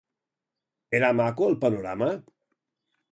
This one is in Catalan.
Era maco el panorama?